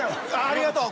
ありがとう。